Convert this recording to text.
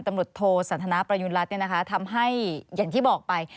ตำรวจโทสันทนาประยุณรัฐทำให้อย่างที่บอกไป